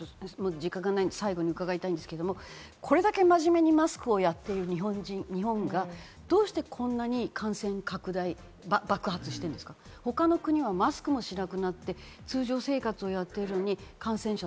最後に伺いたいんですが、これだけまじめにマスクをやっている日本がどうして、感染拡大が爆発してるんですか、他の国はマスクしなくなって通常生活をやっているのに、感染者、